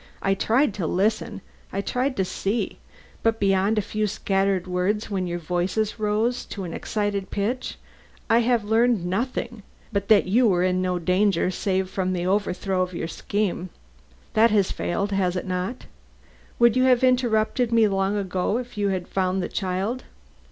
"I tried to listen, I tried to see; but beyond a few scattered words when your voices rose to an excited pitch, I have learned nothing but that you were in no danger save from the overthrow of your scheme. That has failed, has it not? You would have interrupted me long ago if you had found the child."